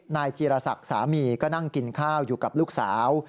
นายจีรศักดิ์สามีก็นั่งกินข้าวอยู่กับลูกสาว